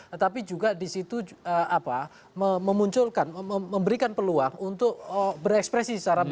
tetapi juga di situ memunculkan memberikan peluang untuk berekspresi secara baik